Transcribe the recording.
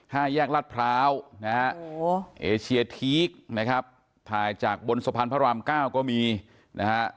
ห้าแยกรัฐพร้าวนะฮะโอ้โหเอเชียทีกนะครับถ่ายจากบนสะพานพระรามเก้าก็มีนะฮะ